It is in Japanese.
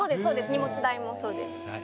そうですそうです。